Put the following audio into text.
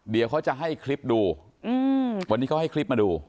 เดี๋ยวเขาจะให้คลิปดูวันนี้เขาให้คลิปมาดู